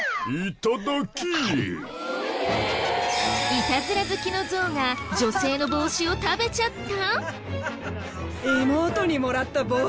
いたずら好きのゾウが女性の帽子を食べちゃった？